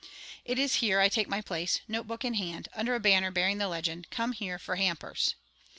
It is here I take my place, note book in hand, under a banner bearing the legend, "Come here for hampers."